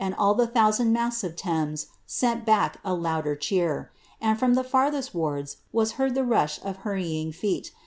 1I the thousBnd maats or Thamea aenl back a louder cheer ; And rrom (he farthesl wards was beard the ru«h oC hurrying feet.